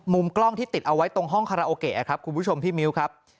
กล้องที่ติดเอาไว้ตรงห้องคาราโอเกะครับคุณผู้ชมพี่มิ้วครับ